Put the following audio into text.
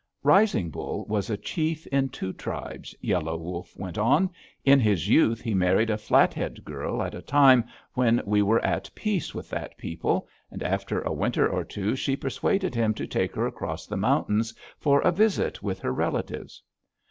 "Rising Bull was a chief in two tribes," Yellow Wolf went on. "In his youth he married a Flathead girl, at a time when we were at peace with that people, and after a winter or two she persuaded him to take her across the mountains for a visit with her relatives.